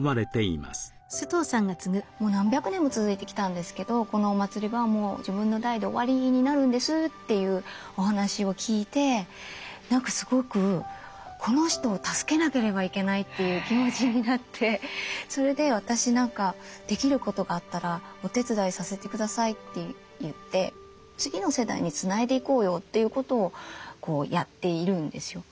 「もう何百年も続いてきたんですけどこのお祭りはもう自分の代で終わりになるんです」というお話を聞いて何かすごく「この人を助けなければいけない」という気持ちになってそれで「私何かできることがあったらお手伝いさせて下さい」って言って次の世代につないでいこうよということをやっているんですよ。